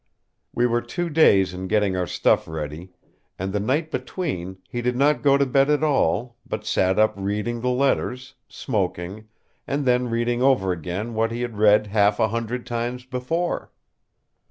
We were two days in getting our stuff ready, and the night between he did not go to bed at all, but sat up reading the letters, smoking, and then reading over again what he had read half a hundred times before.